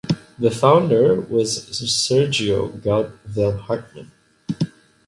The founder was Sergio Gaut vel Hartman.